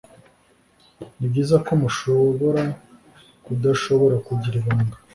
Nibyiza ko mushobora kudashobora kugira ibanga.